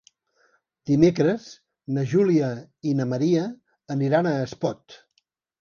Dimecres na Júlia i na Maria aniran a Espot.